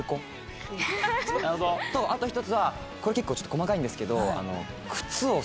あと１つはこれ結構細かいんですけど。